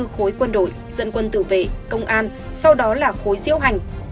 hai mươi bốn khối quân đội dân quân tử vệ công an sau đó là khối diễu hành